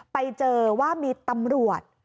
ไปเจอว่ามีตำรวจ